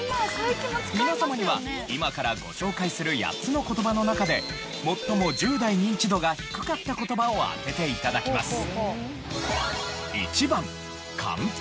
皆様には今からご紹介する８つの言葉の中で最も１０代ニンチドが低かった言葉を当てて頂きます。